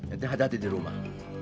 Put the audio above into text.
ya atau hati hati di rumah